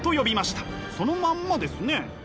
そのまんまですね。